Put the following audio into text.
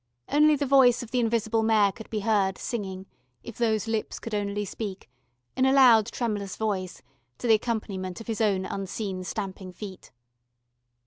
Only the voice of the invisible Mayor could be heard, singing, "If those lips could only speak," in a loud tremulous voice, to the accompaniment of his own unseen stamping feet.